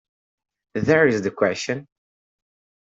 There is the question.